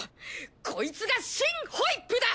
こいつが真ホイップだ！